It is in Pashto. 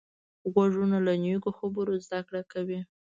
غوږونه له نیکو خبرو زده کړه کوي